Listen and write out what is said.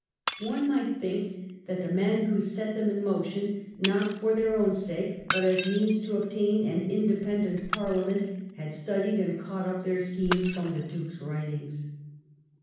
One might think that the men who set them in motion, not for their own sake, but as means to obtain an in dependent parliament, had studied and caught up their schemes from the Duke's writings.